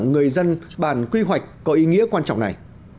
người dân bản quy hoạch có ý nghĩa quan trọng này